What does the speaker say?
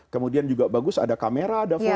kemudian juga bagus ada kondisi hidupnya gitu kan